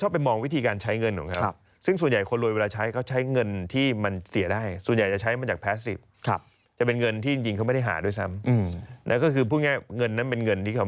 เป็นเงินที่เขาเสียได้บ้างกันเถอะ